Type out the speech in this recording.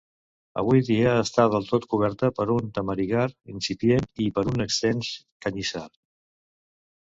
Avui dia està del tot recoberta per un tamarigar incipient i per un extens canyissar.